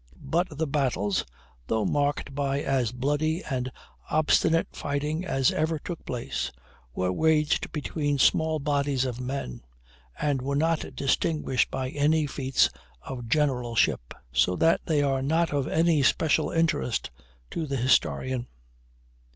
But the battles, though marked by as bloody and obstinate fighting as ever took place, were waged between small bodies of men, and were not distinguished by any feats of generalship, so that they are not of any special interest to the historian.